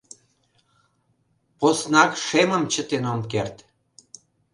Поснак шемым чытен ом керт.